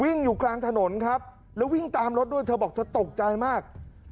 อยู่กลางถนนครับแล้ววิ่งตามรถด้วยเธอบอกเธอตกใจมาก